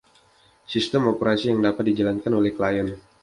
Sistem operasi yang dapat dijalankan oleh klien.